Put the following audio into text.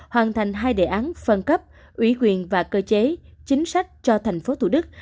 hoàn thành hai đề án phân cấp ủy quyền và cơ chế chính sách cho thành phố thủ đức